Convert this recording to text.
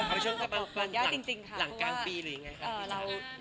บอกยากจริงค่ะเพราะว่า